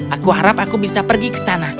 aku harap aku bisa pergi ke sana